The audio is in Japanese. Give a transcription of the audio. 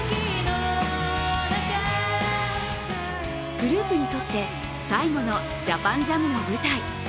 グループにとって最後のＪＡＰＡＮＪＡＭの舞台。